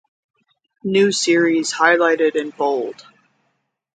New series highlighted in bold.